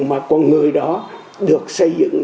mà con người đó được xây dựng